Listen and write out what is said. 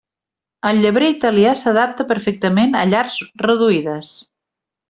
El llebrer italià s'adapta perfectament a llars reduïdes.